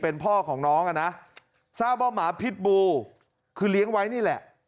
เป็นพ่อของน้องอ่ะนะทราบว่าหมาพิษบูคือเลี้ยงไว้นี่แหละ